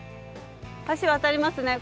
橋渡りますね